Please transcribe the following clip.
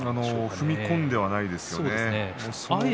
踏み込んではいないですよね。